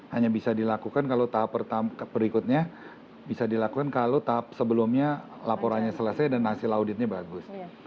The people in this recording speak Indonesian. hanya bisa dilakukan kalau tahap berikutnya bisa dilakukan kalau tahap sebelumnya laporannya selesai dan hasil auditnya bagus